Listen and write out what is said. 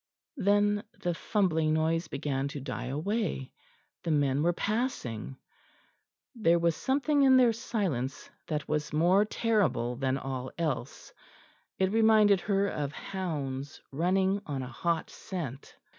Then the fumbling noise began to die away: the men were passing. There was something in their silence that was more terrible than all else; it reminded her of hounds running on a hot scent.